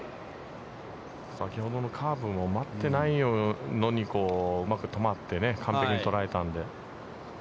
先ほどのカーブも待ってないのにうまく止まって、完璧に捉えたので。